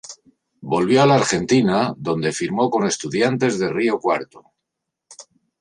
Volvió a la Argentina, donde firmó con Estudiantes de Río Cuarto.